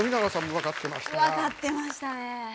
分かってましたね。